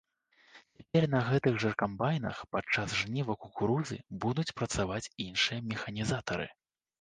Цяпер на гэтых жа камбайнах падчас жніва кукурузы будуць працаваць іншыя механізатары.